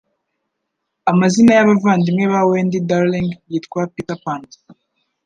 Amazina ya Bavandimwe ba Wendy Darling Yitwa "Peter Pan"?